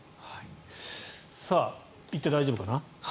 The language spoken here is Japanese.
行って大丈夫かな。